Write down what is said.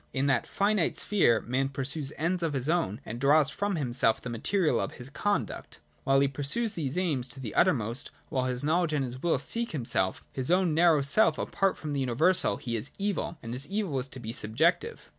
' In that finite sphere man pursues ends of his own and draws from himself th e material of his con duct. While he ' pursues these aims tothe uttermost, while his knowledge and his will seek himself, his own narrow self apart from the universal, he is evil ; and his evil is to be subjective.